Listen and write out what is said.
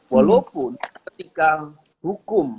walaupun ketika hukum